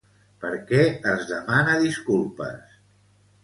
Per què es demana disculpes?